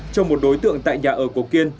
cho một đối tượng tại nhà ở của kiên